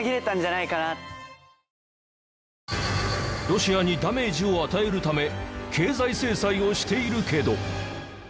ロシアにダメージを与えるため経済制裁をしているけど。